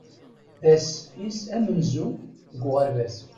D ass-is amenzu deg uɣerbaz.